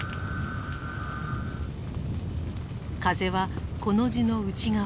風はコの字の内側